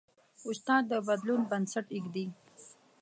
استاد د بدلون بنسټ ایږدي.